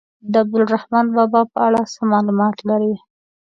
د عبدالرحمان بابا په اړه څه معلومات لرئ.